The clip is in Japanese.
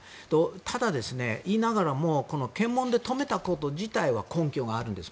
ただ、そう言いながらも検問で止めたこと自体は根拠があるんです。